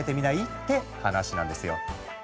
って話なんですよ。